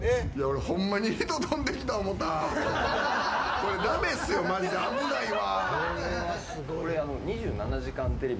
これダメっすよ、マジで。危ないわ。